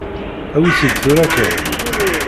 Awi-t-id tura kan.